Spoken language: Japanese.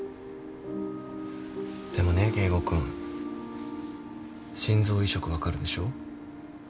でもね圭吾君心臓移植分かるでしょ？